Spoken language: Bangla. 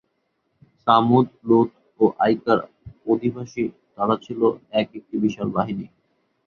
ছামূদ, লূত ও আয়কার অধিবাসী, তারা ছিল এক একটি বিশাল বাহিনী।